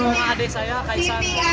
ini anak anak saya adik saya kaisar